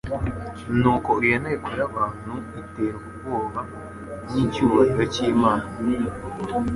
Nuko iyo nteko y'abantu iterwa ubwoba n'«icyubahiro cy'Imana,»